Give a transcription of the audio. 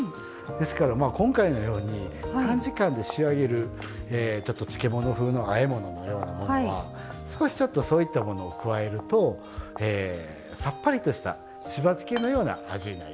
ですから今回のように短時間で仕上げるちょっと漬物風のあえ物のようなものは少しちょっとそういったものを加えるとさっぱりとしたしば漬けのような味になりますね。